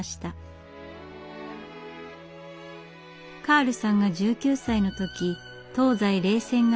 カールさんが１９歳の時東西冷戦が激化。